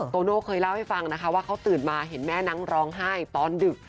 โตโน่เคยเล่าให้ฟังนะคะว่าเขาตื่นมาเห็นแม่นั่งร้องไห้ตอนดึก